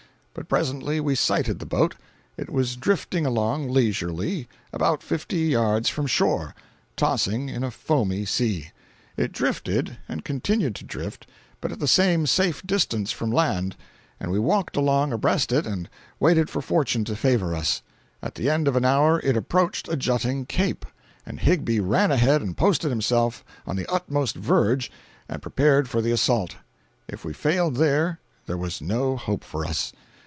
But presently we sighted the boat. It was drifting along, leisurely, about fifty yards from shore, tossing in a foamy sea. It drifted, and continued to drift, but at the same safe distance from land, and we walked along abreast it and waited for fortune to favor us. At the end of an hour it approached a jutting cape, and Higbie ran ahead and posted himself on the utmost verge and prepared for the assault. If we failed there, there was no hope for us.